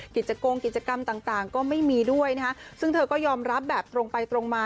โกงกิจกรรมต่างก็ไม่มีด้วยนะคะซึ่งเธอก็ยอมรับแบบตรงไปตรงมา